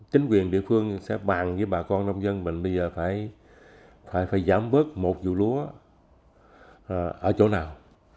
chính quyền địa phương sẽ bàn với bà con nông dân mình bây giờ phải giảm bớt một vụ lúa ở chỗ nào